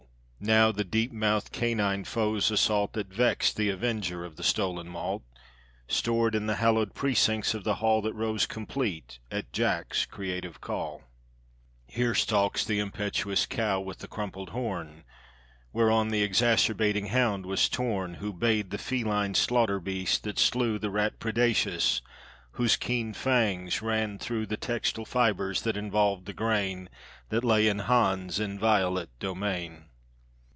now the deep mouthed canine foe's assault, That vexed the avenger of the stolen malt; Stored in the hallowed precincts of the hallThat rose complete at Jack's creative call. Here stalks the impetuous cow, with the crumpled horn, Whereon the exacerbating hound was torn, Who bayed the feline slaughter beast, that slewThe rat predaceous, whose keen fangs ran throughThe textile fibres that involved the grainThat lay in Hans' inviolate domain.